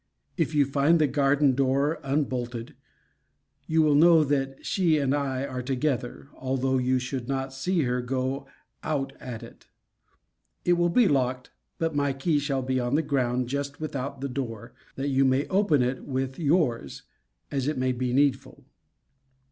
If you find the garden door unbolted, you will know that she and I are together, although you should not see her go out at it. It will be locked, but my key shall be on the ground just without the door, that you may open it with your's, as it may be needful.